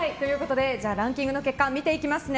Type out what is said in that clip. ランキングの結果見ていきますね。